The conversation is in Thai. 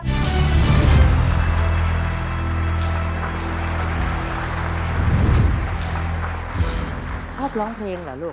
ขอเชิญน้องเมมาต่อชีวิตเป็นคนต่อไปครับ